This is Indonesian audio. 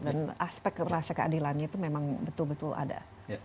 dan aspek rasa keadilannya itu memang betul betul ada